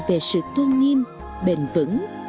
về sự tôn nghiêm bền vững